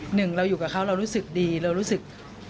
หนึ่งเราอยู่กับเขาเรารู้สึกดีเรารู้สึก